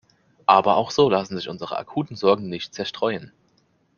Aber auch so lassen sich unsere akuten Sorgen nicht zerstreuen.